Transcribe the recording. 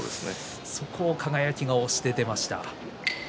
そこを輝が押して出ました。